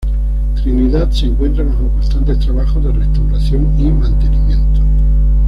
Trinidad se encuentra bajo constantes trabajos de restauración y mantenimiento.